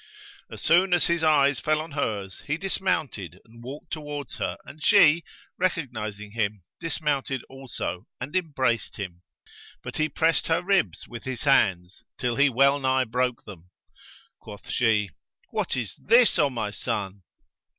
As soon as his eyes fell on hers, he dismounted and walked towards her and she, recognizing him, dismounted also and embraced him, but he pressed her ribs with his hands, till he well nigh broke them. Quoth she, "What is this, O my son?"